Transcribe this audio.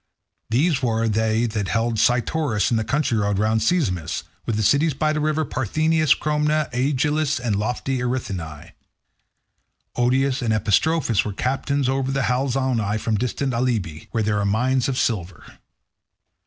These were they that held Cytorus and the country round Sesamus, with the cities by the river Parthenius, Cromna, Aegialus, and lofty Erithini. Odius and Epistrophus were captains over the Halizoni from distant Alybe, where there are mines of silver.